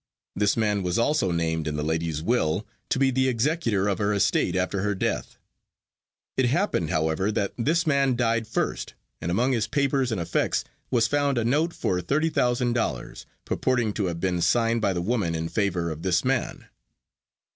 This man was also named in the lady's will to be the executor of her estate after her death. It happened, however, that this man died first and among his papers and effects was found a note for $30,000.00 purporting to have been signed by the woman in favor of this man.